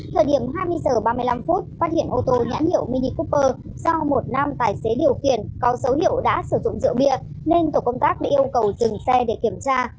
thời điểm hai mươi h ba mươi năm phát hiện ô tô nhãn hiệu mini kuper do một nam tài xế điều khiển có dấu hiệu đã sử dụng rượu bia nên tổ công tác đã yêu cầu dừng xe để kiểm tra